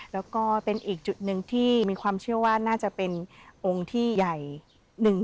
แล้วก็เป็นอีกจุดหนึ่งที่มีความเชื่อว่าน่าจะเป็นองค์ที่ใหญ่